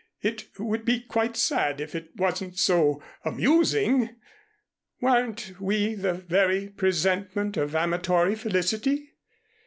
It would be quite sad, if it wasn't so amusing. Weren't we the very presentment of amatory felicity?